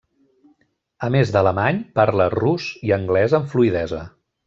A més d'alemany, parla rus i anglès amb fluïdesa.